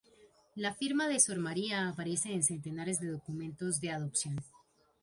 La firma de Sor María aparece en centenares de documentos de adopción.